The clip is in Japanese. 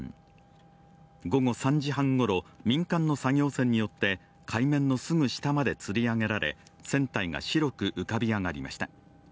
午後３時半ごろ民間の作業船によって海面のすぐ下までつり上げられ、船体が白く浮かび上がりました。